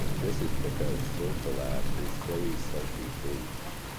This is because Syltelabb is very salty food.